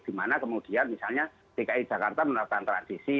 dimana kemudian misalnya tki jakarta menerapan transisi